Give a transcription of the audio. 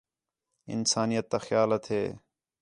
انسانیت تا خیال ہتھے